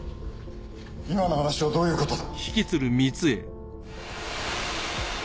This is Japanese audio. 今の話はどういうことだ！